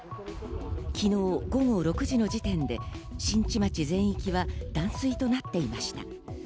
昨日６時の時点で、新地町全域は断水となっていました。